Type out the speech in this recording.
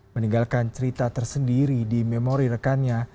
meninggalkan cerita tersendiri di memori rekannya